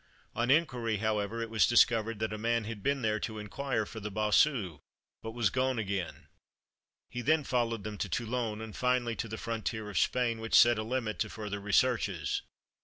On inquiry, however, it was discovered that a man had been there to inquire for the Bossu, but was gone again. He then followed them to Toulon, and finally to the frontier of Spain, which set a limit to further researches.